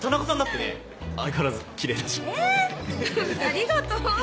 ありがとう。